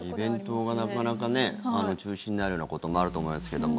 イベントが、なかなかね中止になるようなこともあると思いますけども。